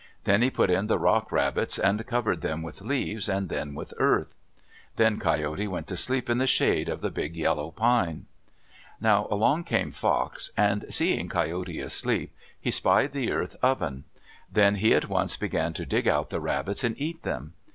Then he put in the rock rabbits and covered them with leaves and then with earth. Then Coyote went to sleep in the shade of the big yellow pine. Now along came Fox, and seeing Coyote asleep, he spied the earth oven. Then he at once began to dig out the rabbits and eat them.